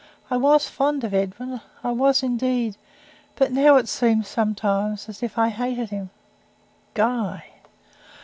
I was fond of Edwin I was indeed but now it seems sometimes as if I HATED him." "Guy!"